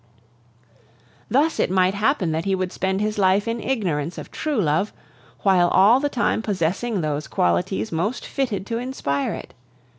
"Thus it might happen that he would spend his life in ignorance of true love, while all the time possessing those qualities most fitted to inspire it.